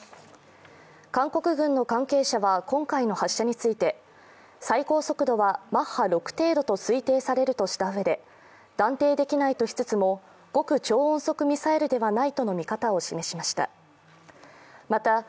韓国軍の関係者は今回の発射について最高速度はマッハ６程度と推定されるとしたうえで、断定できないとしつつも、極超音速ミサイルではないとの味方を示しました。